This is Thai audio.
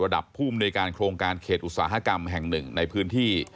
ผู้มนุยการโครงการเขตอุตสาหกรรมแห่งหนึ่งในพื้นที่